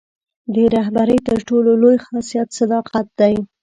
د رهبرۍ تر ټولو لوی خاصیت صداقت دی.